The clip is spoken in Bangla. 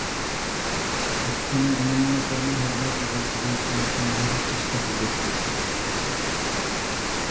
এক্ষণে অনন্যকর্মা হইয়া কেবল তোমার প্রাণসংহারের চেষ্টা দেখিতেছে।